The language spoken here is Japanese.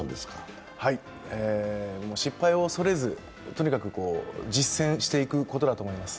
失敗を恐れずとにかく実践していくことだと思います。